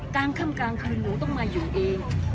กลางค่ำกลางคืนหนูต้องมาอยู่เอง